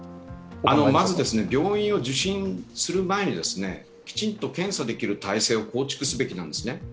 まず、病院を受診する前にきちんと検査できる体制を構築すべきなんですね。